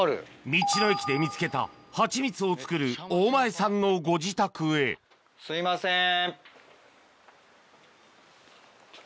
道の駅で見つけたハチミツを作る大前さんのご自宅へすいません。